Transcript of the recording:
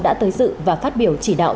đã tới dự và phát biểu chỉ đạo